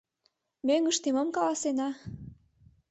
— Мӧҥгыштӧ мом каласена?